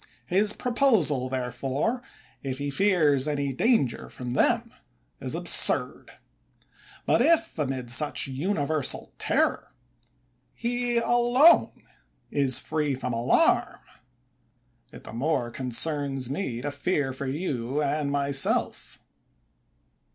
His proposal, therefore, if he fears any danger from them, is absurd; but if, amid such universal terror, he alone is free from alarm, it the more concerns me to fear for you and myself.